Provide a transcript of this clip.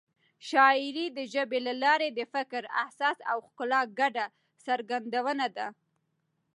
شاعري د ژبې له لارې د فکر، احساس او ښکلا ګډه څرګندونه ده.